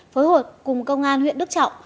phối hợp cùng công an huyện đức trọng